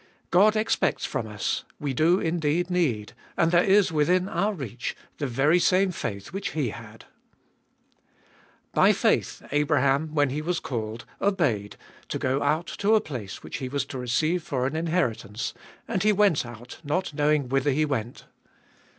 God expects from us, we do indeed need, and there is within our reach, the very same faith which he had. By faith, Abraham, when he was called, obeyed to go out to a place which he was to receive for an inheritance, and he 438 Ebe Ibolfest of Bll went out not knowing whither he went.